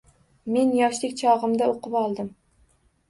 Men yoshlik chog’imda o’qib oldim.